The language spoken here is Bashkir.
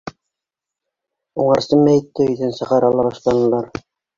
Уңарсы мәйетте өйҙән сығара ла башланылар.